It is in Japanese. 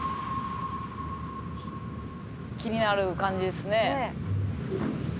「気になる感じですね」